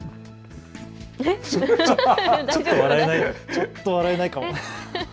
ちょっと笑えないかも。